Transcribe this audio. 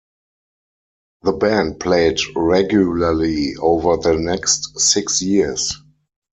The band played regularly over the next six years.